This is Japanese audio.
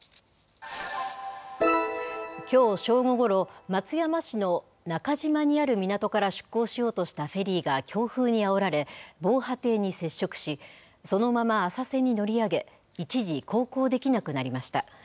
きょう正午ごろ、松山市の中島にある港から出港しようとしたフェリーが強風にあおられ、防波堤に接触し、そのまま浅瀬に乗り上げ、一時航行できなくなりました。